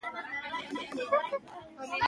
انسانان د خپل کولمو مایکروبیوم ساتنه کوي.